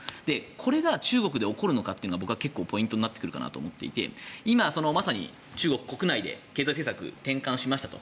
これが中国で起こるのかがポイントになってくるかなと思っていて今、まさに中国国内で経済政策を転換しましたと。